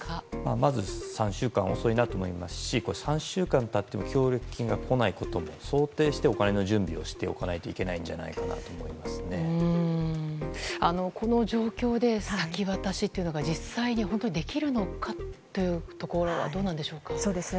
まず３週間は遅いなと思いますし３週間経っても協力金が来ないことも想定してお金の準備をしておかないといけないんじゃこの状況で、先渡しというのが実際に本当にできるのかというところはどうなんでしょうか。